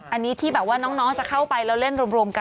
อันนี้ที่แบบว่าน้องจะเข้าไปแล้วเล่นรวมกัน